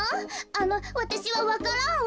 あのわたしはわか蘭を。